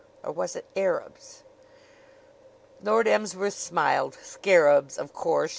Or was it Arabs? Lord Emsworth smiled. Scarabs, of course.